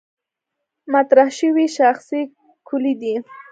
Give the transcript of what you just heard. مطرح شوې شاخصې کُلي دي.